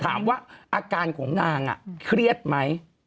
แต่ถามว่าอาการของนางเครียดไหม